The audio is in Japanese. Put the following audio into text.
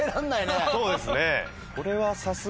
そうですね。